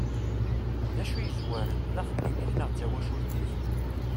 D acu i yezwaren, d axeddim-ik neɣ d tawacult-ik?